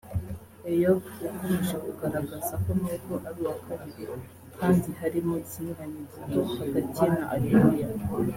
Eyob yakomeje kugaragaza ko nubwo ari uwa kabiri kandi harimo ikinyuranyo gito hagati ye na Areruya